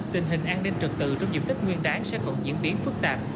tình hình an ninh trật tự trong nhiệm tích nguyên đáng sẽ còn diễn biến phức tạp